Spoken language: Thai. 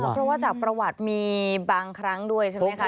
เพราะว่าจากประวัติมีบางครั้งด้วยใช่ไหมคะ